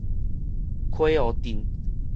溪湖鎮